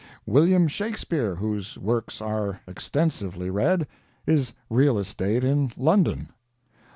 William Shakespeare, whose works are extensively read, is real estate in London.